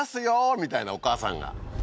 みたいなお母さんが了解です